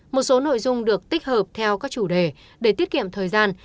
một số nội dung được tích hợp theo các chủ đề để tiết kiệm thời gian